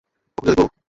কখন যে দেখব!